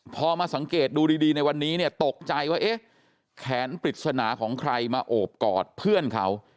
พอมาสังเกตดูดีในวันนี้เนี่ยตกใจว่าเอ๊ะแขนปริศนาของใครมาโอบกอดเพื่อนเขา